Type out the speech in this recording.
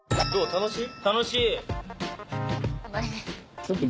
楽しい！